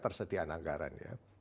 tidak sediakan anggaran ya